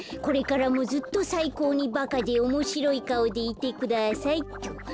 これからもずっとさいこうにバカでおもしろいかおでいてください」っと。